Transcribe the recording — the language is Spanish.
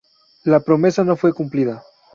La promesa no fue cumplida.